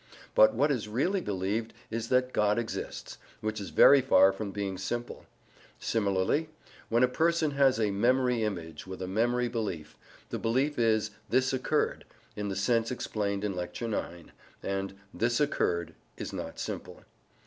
But what is really believed is that God exists, which is very far from being simple. Similarly, when a person has a memory image with a memory belief, the belief is "this occurred," in the sense explained in Lecture IX; and "this occurred" is not simple.